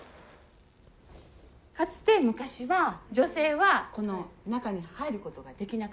かつて昔は女性はこの中に入ることができなかったんです。